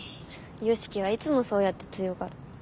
良樹はいつもそうやって強がる。